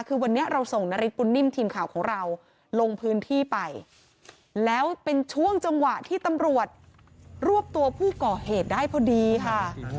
คือวันนี้เราส่งนฤทธบุญนิ่มทีมข่าวของเราลงพื้นที่ไปแล้วเป็นช่วงจังหวะที่ตำรวจรวบตัวผู้ก่อเหตุได้พอดีค่ะ